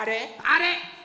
あれ！